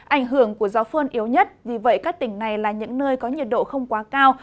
ảnh hưởng của gió phơn yếu nhất vì vậy các tỉnh này là những nơi có nhiệt độ không quá cao